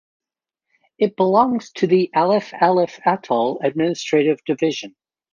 It belongs to the Alif Alif Atoll administrative division.